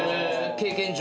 経験上？